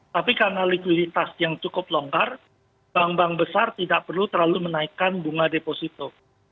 tapi karena likuiditas yang cukup longgar bank bank besar tidak perlu terlalu menaikkan bunga deposito